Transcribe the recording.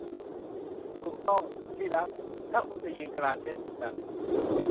ถูกต้อง ที่รัก ถ้าคุณจะยืนกรานเช่นนั้น